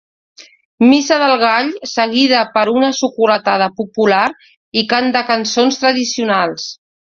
Missa del Gall, seguida per una xocolatada popular i cant de cançons tradicionals.